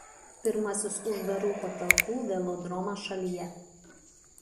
Pirmasis uždarų patalpų velodromas šalyje.